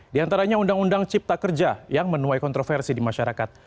di antaranya undang undang cipta kerja yang menuai kontroversi di masyarakat